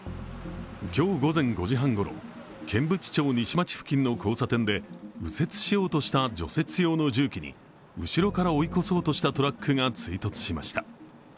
今日午前５時半ごろ、剣淵町西町付近の交差点で右折しようとした除雪用の重機に後ろから追い越そうとしたトラックが追突しました。